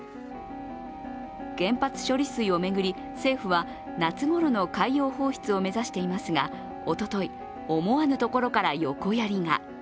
原発処理水を巡り政府は、夏頃の海洋放出を目指していますがおととい、思わぬところから横やりが。